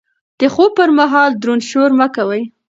د خوب پر مهال دروند شور مه کوئ.